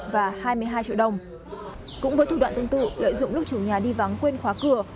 và hai mươi hai triệu đồng cũng với thủ đoạn tương tự lợi dụng lúc chủ nhà đi vắng quên khóa cửa